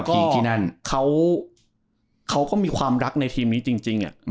ที่นั่นเขาก็มีความรักในทีมนี้จริง